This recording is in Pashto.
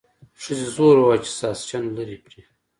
ښځې زور وواهه چې ساسچن لرې کړي.